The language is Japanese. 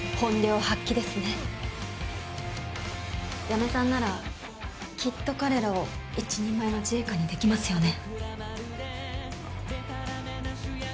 八女さんならきっと彼らを一人前の自衛官にできますよね？